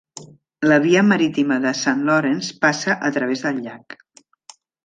La via marítima de St. Lawrence passa a través del llac.